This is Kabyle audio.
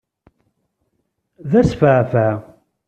D asfaεfaε!